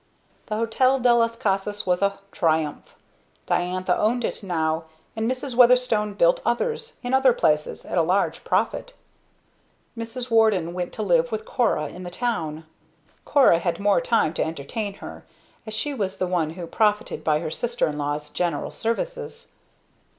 The Hotel del las Casas was a triumph. Diantha owned it now, and Mrs. Weatherstone built others, in other places, at a large profit. Mrs. Warden went to live with Cora in the town. Cora had more time to entertain her as she was the one who profited by her sister in law's general services.